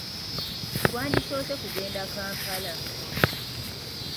Twandisoose kugenda Kampala.